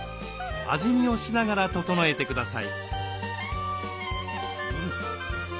味見をしながら調えてください。